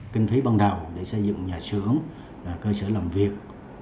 kinh phí ban đầu để xây dựng nhà xưởng cơ sở làm việc